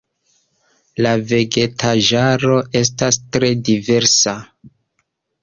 La vegetaĵaro estas tre diversa.